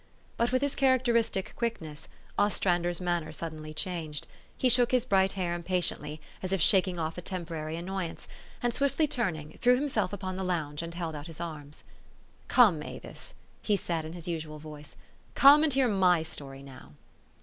But with his characteristic quickness, Ostrander's manner suddenly changed. He shook his bright hair impatiently, as if shaking off a temporary annoyance, and, swiftly turning, threw himself upon the lounge, and held out his arms. " Come, Avis," he said in h'is usual voice, " come and hear my story now."